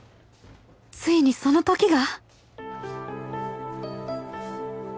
ついにそのときが！？